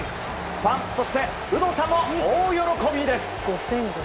ファン、そして有働さんも大喜びです。